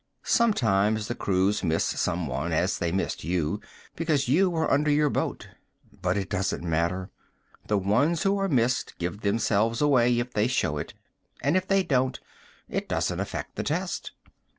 Sometimes the crews miss someone as they missed you, because you were under your boat. But it doesn't matter. The ones who are missed give themselves away if they show it and if they don't, it doesn't affect the test.